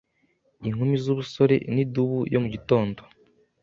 Inkumi zubusore nidubu yo mu gitondo